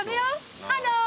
ハロー。